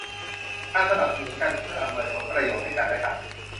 การสนับสนุนกันเพื่ออำนวยผลประโยชน์ให้กันและกัน